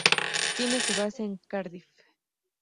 Tiene su base en Cardiff.